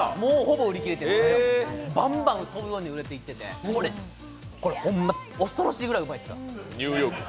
バンバン飛ぶように売れていっててこれ、ホンマ、恐ろしいぐらいうまいっす。